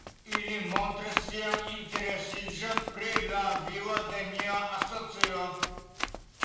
Ili montris sian interesiĝon pri la vivo de nia asocio.